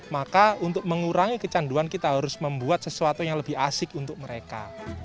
maka untuk mengurangi kecanduan kita harus membuat sesuatu yang lebih asik untuk mereka